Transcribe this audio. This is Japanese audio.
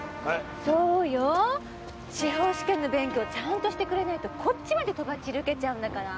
そうよ司法試験の勉強ちゃんとしてくれないとこっちまでとばっちり受けちゃうんだから。